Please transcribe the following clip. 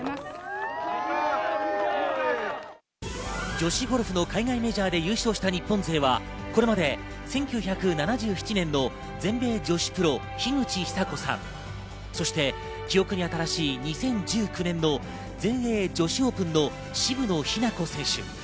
女子ゴルフの海外メジャーで優勝した日本勢はこれまで１９７７年の全米女子プロ樋口久子さん、そして記憶に新しい２０１９年の全英女子オープンの渋野日向子選手。